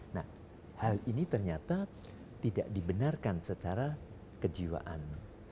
nah hal ini ternyata tidak dibenarkan secara kejiwaan